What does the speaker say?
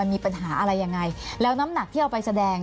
มีปัญหาอะไรยังไงแล้วน้ำหนักที่เอาไปแสดง